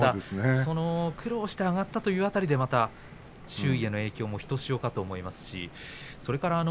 苦労して上がったという点でも周囲への影響はひとしおかと思います。